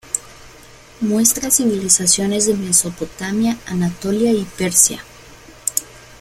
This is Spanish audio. Muestra civilizaciones de Mesopotamia, Anatolia y Persia.